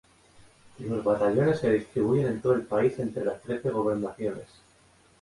Los batallones se distribuyen en todo el país entre las trece gobernaciones.